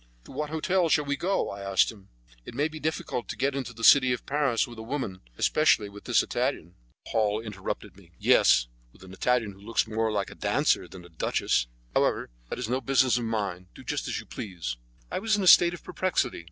"To what hotel shall we go?" I asked him. "It may be difficult to get into the City of Paris with a woman, especially with this Italian." Paul interrupted me. "Yes, with an Italian who looks more like a dancer than a duchess. However, that is no business of mine. Do just as you please." I was in a state of perplexity.